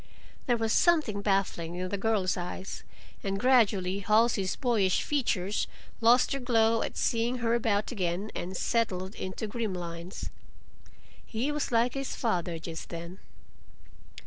There was something baffling in the girl's eyes; and gradually Halsey's boyish features lost their glow at seeing her about again, and settled into grim lines. He was like his father just then.